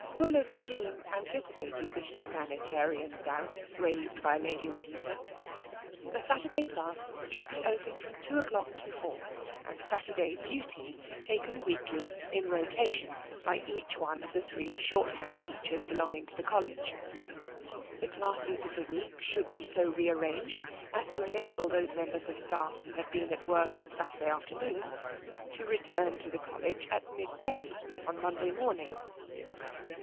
Fuller's scheme anticipated the humanitarian doubts raised by Lady Rossiter. The Saturday class should be open from two o'clock to four, and Saturday duty taken weekly in rotation by each one of the three short hand teachers belonging to the College. The classes of the week should be so rearranged as to enable those members of the staff who had been at work on Satur day afternoon to return to the College at midday only on Monday morning.